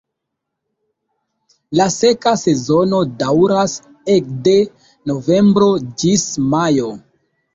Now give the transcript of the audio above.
La seka sezono daŭras ekde novembro ĝis majo.